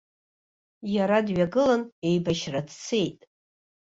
Иара дҩагылан еибашьра дцеит!